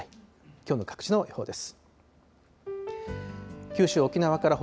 きょうの各地の予報です。